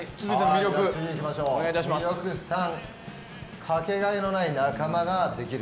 魅力３かけがえのない仲間ができる。